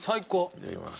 いただきます。